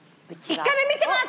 １回目見てます！え！？